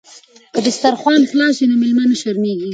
که دسترخوان خلاص وي نو میلمه نه شرمیږي.